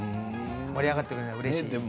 盛り上がってくるのはうれしいです。